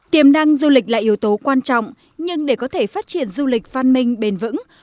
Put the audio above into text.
tiềm năng du lịch là yếu tố quan trọng nhưng để có thể phát triển du lịch văn minh bền vững